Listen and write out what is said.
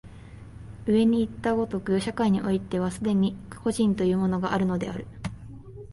上にいった如く、社会においては既に個人というものがあるのである。